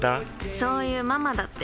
そういうママだって。